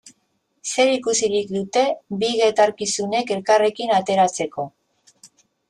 Zer ikusirik dute bi gertakizunek elkarrekin ateratzeko?